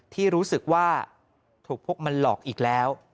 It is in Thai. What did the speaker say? ที่รู้สึกว่าถูกพวกมันหลอกอีกแล้ว